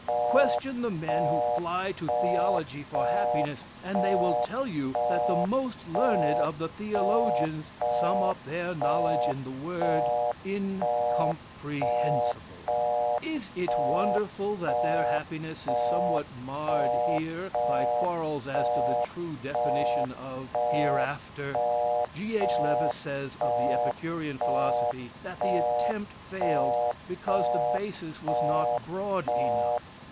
Question the men who fly to theology for happiness, and they will tell you that the most learned of the theologians sum up their knowledge in the word "incomprehensible." Is it wonderful that their happiness is somewhat marred "here" by quarrels as to the true definition of "hereafter?" G. H. Lewes says, of the Epicurean philosophy, "that the attempt failed because the basis was not broad enough.